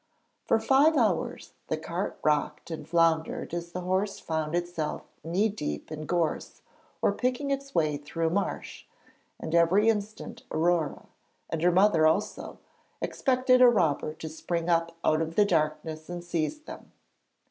For five hours the cart rocked and floundered as the horse found itself knee deep in gorse or picking its way through a marsh, and every instant Aurore and her mother also expected a robber to spring up out of the darkness and seize them.